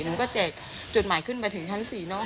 หนูก็แจกจุดหมายขึ้นไปถึงชั้น๔เนอะ